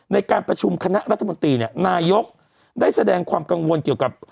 ในการประชุมคณะรัฐมนตรีเนี่ยนายกได้แสดงความกังวลเกี่ยวกับ